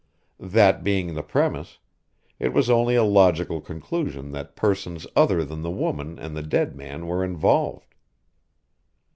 That being the premise, it was only a logical conclusion that persons other than the woman and the dead man were involved.